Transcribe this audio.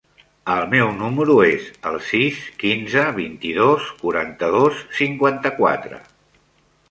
El meu número es el sis, quinze, vint-i-dos, quaranta-dos, cinquanta-quatre.